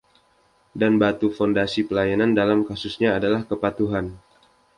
Dan batu fondasi pelayanan, dalam kasusnya, adalah kepatuhan.